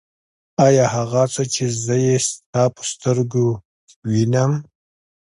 آيا هغه څه چې زه يې ستا په سترګو کې وينم.